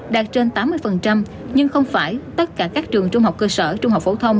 đạt trên tám mươi nhưng không phải tất cả các trường trung học cơ sở trung học phổ thông